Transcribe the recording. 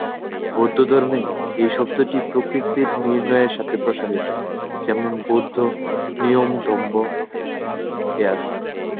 বৌদ্ধ ধর্মে, এই শব্দটি প্রকৃতির নির্ণয়ের সাথে প্রসারিত, যেমনটি বৌদ্ধ "নিয়ম ধম্ম"-এ আছে।